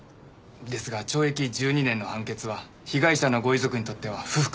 ですが懲役１２年の判決は被害者のご遺族にとっては不服だったようで。